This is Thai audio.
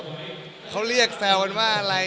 มีอีกประมาณ๑๐ปี